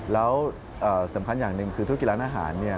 แล้วสำคัญอย่างหนึ่งคือธุรกิจร้านอาหาร